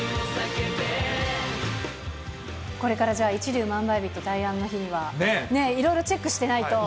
これからじゃあ、一粒万倍日と大安の日にはね、いろいろチェックしてないと。